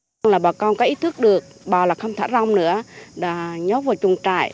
bà con có ý thức được bò là không thả rong nữa nhốt vào trùng trại